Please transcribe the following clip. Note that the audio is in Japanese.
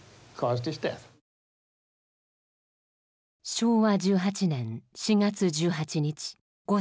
昭和１８年４月１８日午前６時。